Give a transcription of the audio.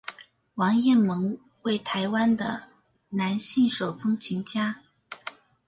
王雁盟为台湾的男性手风琴家。